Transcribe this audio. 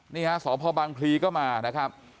นี่ฮะสพบังพลีก็มานะครับ